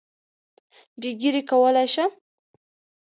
بې ږیرې کولای شم.